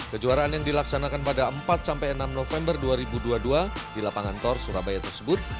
kejuaraan yang dilaksanakan pada empat enam november dua ribu dua puluh dua di lapangan tor surabaya tersebut